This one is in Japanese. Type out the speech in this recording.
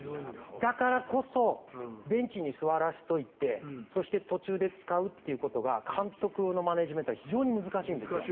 だからこそベンチに座らせておいてそして途中で使うということが監督のマネジメントは難しいんです。